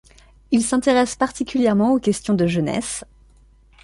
Il s'intéresse particulièrement aux questions de jeunesse.